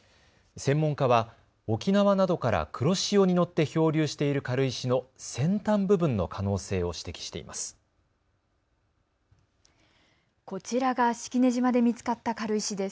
専門家は沖縄などから黒潮に乗って漂流している軽石の先端部分の可能性を指摘しています。